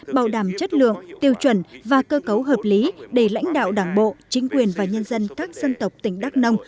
bảo đảm chất lượng tiêu chuẩn và cơ cấu hợp lý để lãnh đạo đảng bộ chính quyền và nhân dân các dân tộc tỉnh đắk nông